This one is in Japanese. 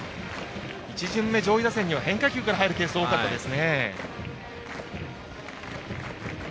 １巡目、上位打線には変化球から入るケースが多かったです。